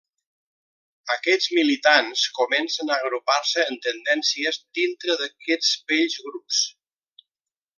Aquests militants comencen a agrupar-se en tendències dintre d'aquests vells grups.